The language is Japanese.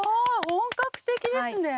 本格的ですね。